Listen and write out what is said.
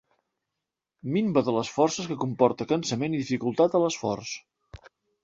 Minva de les forces que comporta cansament i dificultat a l'esforç.